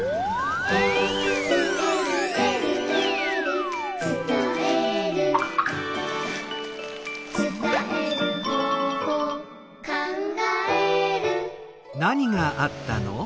「えるえるえるえる」「つたえる」「つたえる方法」「かんがえる」